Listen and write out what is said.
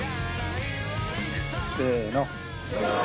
せの。